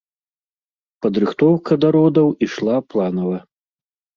Падрыхтоўка да родаў ішла планава.